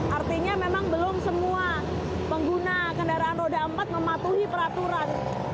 artinya memang belum semua pengguna kendaraan roda empat mematuhi peraturan